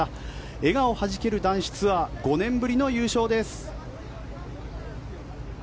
笑顔はじける男子ツアー５年ぶりの優勝です。